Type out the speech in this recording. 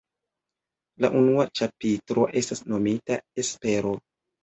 La unua ĉapitro estas nomita "Espero".